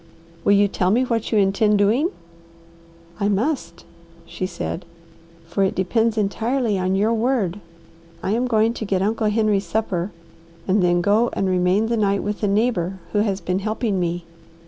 "Will you tell me what you intend doing?" "I must," she said, "for it depends entirely on your word. I am going to get Uncle Henry's supper, and then go and remain the night with the neighbour who has been helping me.